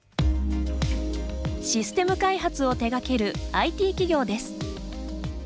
システム開発を手がけるＩＴ企業です。